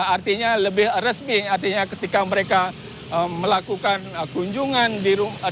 artinya lebih resmi artinya ketika mereka melakukan kunjungan di rumah